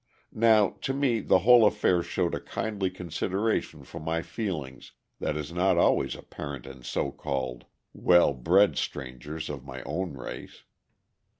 Now, to me the whole affair showed a kindly consideration for my feelings that is not always apparent in so called well bred strangers of my own race.